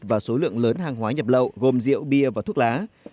và số lượng lớn hàng hóa nhập lậu gồm rượu bia và thuốc lá